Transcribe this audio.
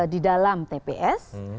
di dalam tps